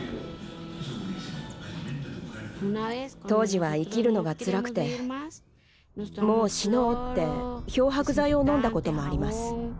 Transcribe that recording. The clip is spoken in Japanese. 当時は生きるのがつらくてもう死のうって漂白剤を飲んだこともあります。